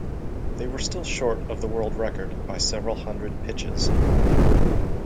They were still short of the world record by several hundred pitches.